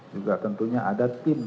juga tentunya ada tim